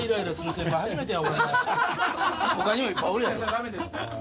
他にもいっぱいおるやろ。